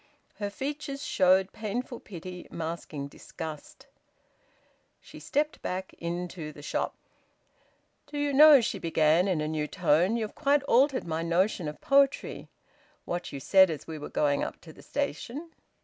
Her features showed painful pity masking disgust. She stepped back into the shop. "Do you know," she began, in a new tone, "you've quite altered my notion of poetry what you said as we were going up to the station."